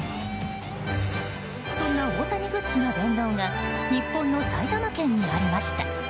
そんな大谷グッズの殿堂が日本の埼玉県にありました。